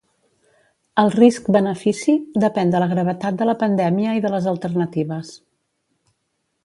El risc-benefici depèn de la gravetat de la pandèmia i de les alternatives.